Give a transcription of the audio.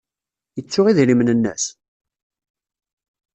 Yettu idrimen-nnes?